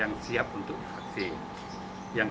yang siap untuk divaksin